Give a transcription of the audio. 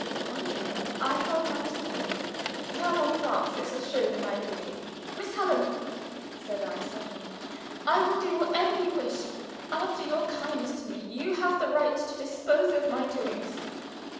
Wondering, I held my tongue. "Herr von Francius has showed me my duty." "Miss Hallam," said I, suddenly, "I will do whatever you wish. After your kindness to me, you have the right to dispose of my doings.